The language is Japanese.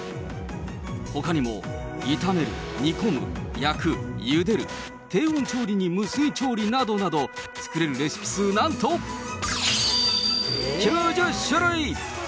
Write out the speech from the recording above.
ほかにも炒める、煮込む、焼く、ゆでる、低温調理に無水調理などなど作れるレシピ数なんと９０種類。